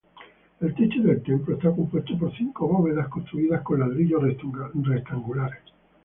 El techo del templo está compuesto por cinco bóvedas construidas con ladrillos rectangulares.